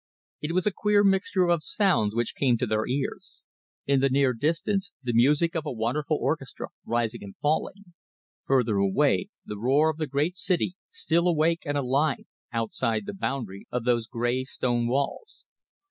It was a queer mixture of sounds which came to their ears; in the near distance, the music of a wonderful orchestra rising and falling; further away, the roar of the great city still awake and alive outside the boundary of those grey stone walls.